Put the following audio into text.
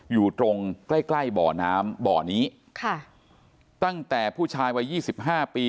อยู่ตรงใกล้ใกล้บ่อน้ำบ่อนี้ค่ะตั้งแต่ผู้ชายวัยยี่สิบห้าปี